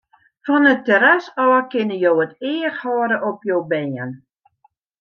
Fan it terras ôf kinne jo it each hâlde op jo bern.